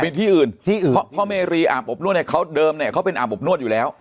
ที่อื่นที่อื่นเพราะพ่อเมรีอาบอบนวดเนี่ยเขาเดิมเนี่ยเขาเป็นอาบอบนวดอยู่แล้ว